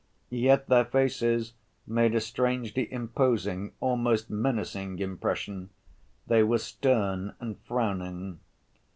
Yet their faces made a strangely imposing, almost menacing, impression; they were stern and frowning.